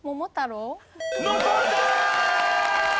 残った！